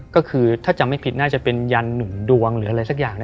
ก็คือถ้าจำไม่ผิดน่าจะเป็นยันหนุ่มดวงหรืออะไรสักอย่าง